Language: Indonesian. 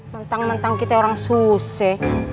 mentang mentang kita orang suse